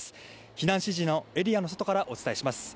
避難指示のエリアの外からお伝えします。